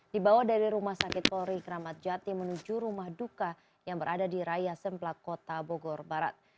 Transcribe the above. dibawa dari rumah sakit polri kramat jati menuju rumah duka yang berada di raya semplak kota bogor barat